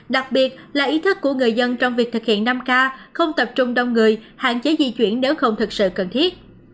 đặc biệt là ý thức của người dân trong việc thực hiện năm k không tập trung đông người hạn chế di chuyển nếu không thực sự cần thiết